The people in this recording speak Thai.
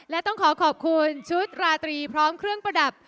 และต้องขอขอบคุณชุดราตรีพร้อมเครื่องประดับ